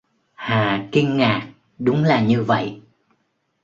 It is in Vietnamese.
Hà kinh ngạc đúng là như vậy